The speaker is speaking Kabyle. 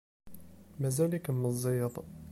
Mazal-ikem meẓẓiyeḍ.